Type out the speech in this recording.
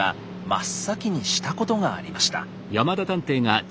真っ先にしたことがありました。